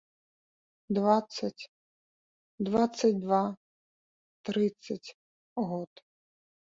Дваццаць, дваццаць два, трыццаць год.